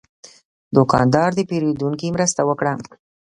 دوکاندار د پیرودونکي مرسته وکړه.